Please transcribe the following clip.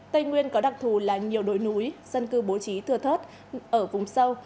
tây nguyên có đặc thù là nhiều đồi núi dân cư bố trí thưa thớt ở vùng sâu